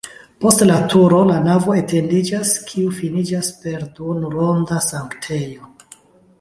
Post la turo la navo etendiĝas, kiu finiĝas per duonronda sanktejo.